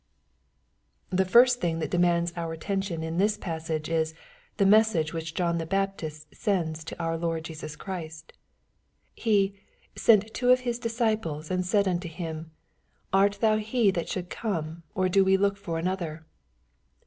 The first thing that demands our attention in this paeh MATTHEW, GHAF. XI. « 109 6age, is the message which John the Baptist sends tc our Lord Jesus Christ. He ^^ sent two of his disciples, and said unto him, Art thou he that should come, or d > we look for another